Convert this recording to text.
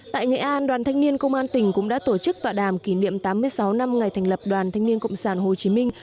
tại nghệ an đoàn thanh niên công an tỉnh cũng đã tổ chức tọa đàm kỷ niệm tám mươi sáu năm ngày thành lập đoàn thanh niên cộng sản hồ chí minh